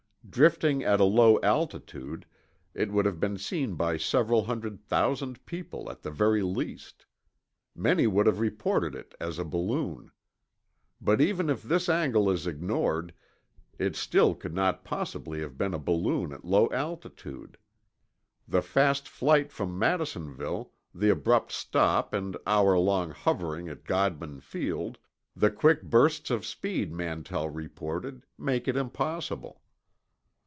Drifting at a low altitude, it would have been seen by several hundred thousand people, at the very least. Many would have reported it as a balloon. But even if this angle is ignored it still could not possibly have been a balloon at low altitude. The fast flight from Madisonville, the abrupt stop and hour long hovering at Godman Field, the quick bursts of speed Mantell reported make it impossible.